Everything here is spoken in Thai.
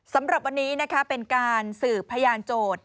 สำหรับวันนี้นะคะเป็นการสืบพยานโจทย์